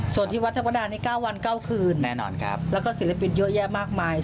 ส่วนที่วัดธรรมดานี้๙วัน๙คืนแน่นอนครับแล้วก็ศิลปินเยอะแยะมากมาย